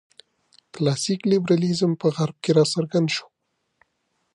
کلاسیک لېبرالېزم په غرب کې راڅرګند شو.